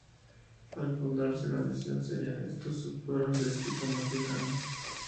Al fundarse la misión serían estos sus pueblos de visita más lejanos.